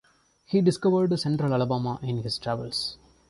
He discovered central Alabama in his travels.